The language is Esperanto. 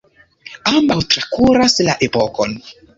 Ambaŭ trakuras la epokon.